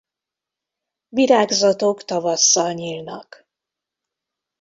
Virágzatok tavasszal nyílnak.